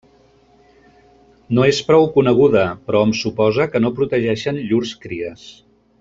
No és prou coneguda, però hom suposa que no protegeixen llurs cries.